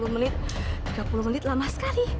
tiga puluh menit tiga puluh menit lama sekali